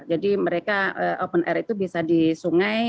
jadi mereka open air itu bisa di sungai